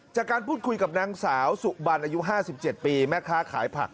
จากการพูดคุยกับนางสาวสุบันอายุ๕๗ปีแม่ค้าขายผัก